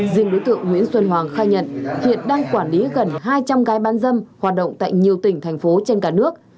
riêng đối tượng nguyễn xuân hoàng khai nhận hiện đang quản lý gần hai trăm linh gái bán dâm hoạt động tại nhiều tỉnh thành phố trên cả nước